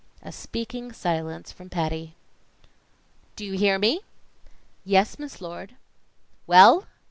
A speaking silence from Patty. "Do you hear me?" "Yes, Miss Lord." "Well?"